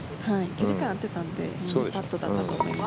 距離感合ってたのでいいパットだったと思います。